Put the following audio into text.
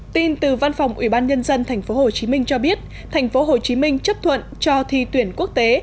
tin từ văn phòng ủy ban nhân dân tp hcm cho biết tp hcm chấp thuận cho thi tuyển quốc tế